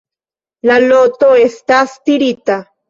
La loto estas tirita.